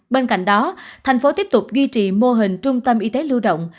bên cạnh đó tp hcm tiếp tục duy trì mô hình trung tâm y tế lưu động